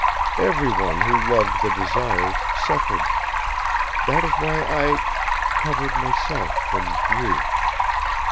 Everyone who loved the Desires suffered. That is why I covered myself from you."